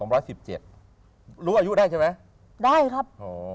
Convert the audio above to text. อายุได้ใช่ไหมได้ครับ